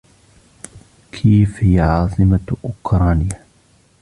كييف هي عاصمة اوكرانيا.